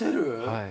はい。